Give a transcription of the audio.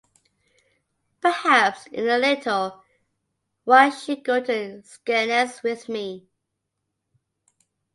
Perhaps in a little while she’ll go to Skegness with me.